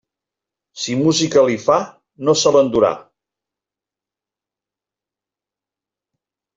Si música li fa, no se l'endurà.